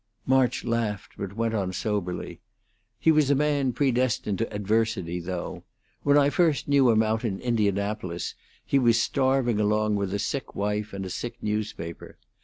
March laughed, but went on soberly: "He was a man predestined to adversity, though. When I first knew him out in Indianapolis he was starving along with a sick wife and a sick newspaper.